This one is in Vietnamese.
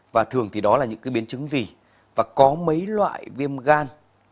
và thường thì đó là những biến chứng gì và có mấy loại viêm gan